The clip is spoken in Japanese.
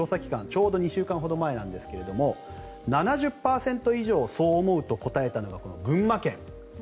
ちょうど２週間ほど前なんですが７０％以上そう思うと答えたのが群馬県。